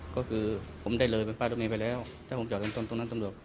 ก็คือผมได้เลยไปป้ายรถเมย์ไปแล้วถ้าผมจอดตรงตรงนั้นตำรวจ